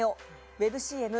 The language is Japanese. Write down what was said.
ウェブＣＭ